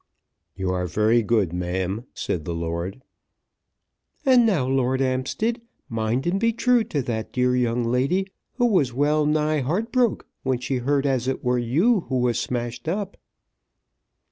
"You are very good, ma'am," said the lord. "And now, Lord 'Ampstead, mind and be true to that dear young lady who was well nigh heart broke when she heard as it were you who was smashed up."